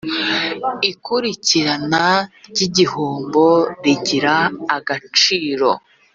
ikurikirana ry igihombo rigira agaciro